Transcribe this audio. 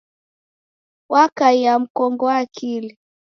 Wakaia mkongo wa akili.